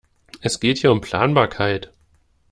Es geht hier um Planbarkeit.